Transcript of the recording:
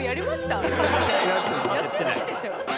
やってないでしょ。